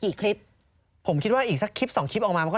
เมื่อกี้ผมคิดว่าอีกสักกิบสองคลิปออกมาก็จบแล้วนะครับ